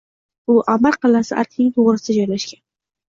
U amir qal’asi Arkning to‘g‘risida joylashgan